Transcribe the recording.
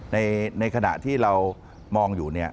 ในขณะที่เรามองอยู่